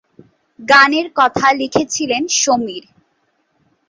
গানের কথা লিখেছিলেন সমীর।